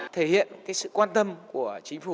thể hiện sự quan tâm của chính phủ